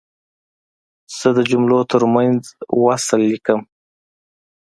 زه د جملو ترمنځ وصل لیکم.